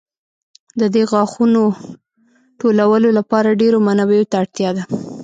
د دې غاښونو ټولولو لپاره ډېرو منابعو ته اړتیا ده.